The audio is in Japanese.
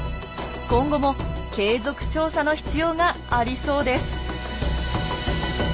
今後も継続調査の必要がありそうです。